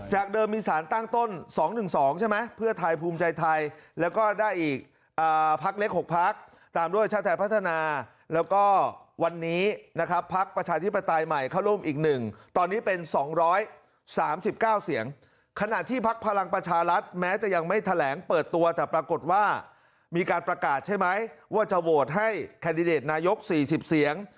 ให้แคดดิเดตนายก๔๐เสียง